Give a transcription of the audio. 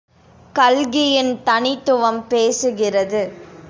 கல்கியின் தனித்துவம் பேசுகிறது!